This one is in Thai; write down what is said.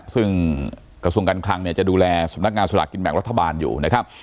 ซึ่งกระทรวงการคลังเนี่ยจะดูแลสำนักงานสลากกินแบ่งรัฐบาลอยู่นะครับ